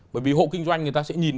bởi vì hộ kinh doanh người ta sẽ nhìn